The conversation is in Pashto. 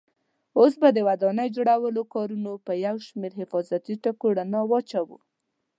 اوس به د ودانۍ جوړولو کارونو په یو شمېر حفاظتي ټکو رڼا واچوو.